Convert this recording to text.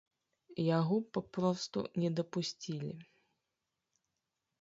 Яго б папросту не дапусцілі.